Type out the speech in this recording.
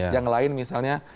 yang lain misalnya